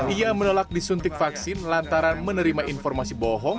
ia menolak disuntik vaksin lantaran menerima informasi bohong